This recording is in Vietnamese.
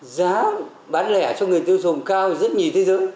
giá bán lẻ cho người tiêu dùng cao rất nhiều thế giới